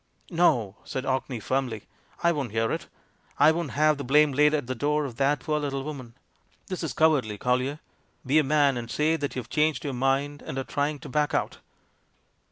"No!" said Orkney, firmly, "I won't hear it. I won't have the blame laid at the door of that poor little woman. This is cowardly. Collier. Be a man and say that you've changed your mind and are trying to back out."